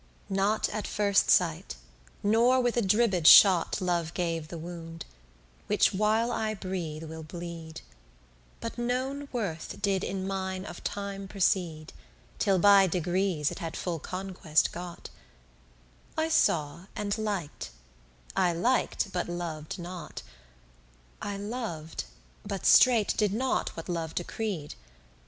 2 Not at first sight, nor with a dribbed shot Love gave the wound, which while I breathe will bleed; But known worth did in mine of time proceed, Till by degrees it had full conquest got: I saw and liked, I liked but loved not; I lov'd, but straight did not what Love decreed.